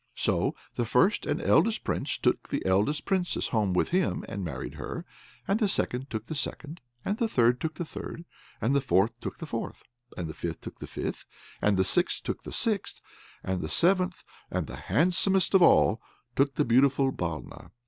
So the first and eldest Prince took the eldest Princess home with him, and married her. And the second took the second; And the third took the third; And the fourth took the fourth; And the fifth took the fifth; And the sixth took the sixth; And the seventh, and the handsomest of all, took the beautiful Balna.